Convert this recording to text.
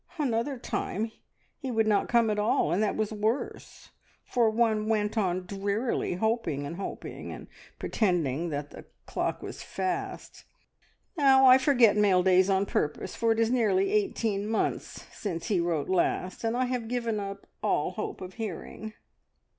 Another time he would not come at all, and that was worse, for one went on drearily hoping and hoping, and pretending that the clock was fast. Now I forget mail days on purpose, for it is nearly eighteen months since he wrote last, and I have given up all hope of hearing."